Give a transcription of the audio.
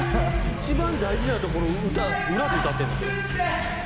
「一番大事なところ裏で歌ってんの？」